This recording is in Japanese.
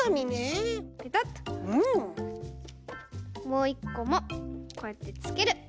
もういっこもこうやってつける。